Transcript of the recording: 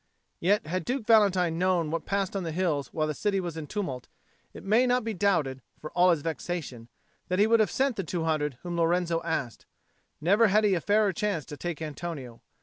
Yet had Duke Valentine known what passed on the hills while the city was in tumult, it may not be doubted, for all his vexation, that he would have sent the two hundred whom Lorenzo asked: never had he a fairer chance to take Antonio.